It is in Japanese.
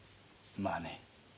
まあね。